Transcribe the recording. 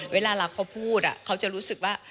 เวลารักเขาพูดเขาจะรู้สึกว่า